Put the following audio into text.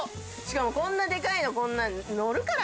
しかもこんなでかいのこんなののるからね。